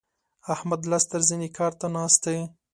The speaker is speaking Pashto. احمد لاس تر زنې کار ته ناست دی.